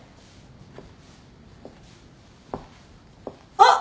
あっ！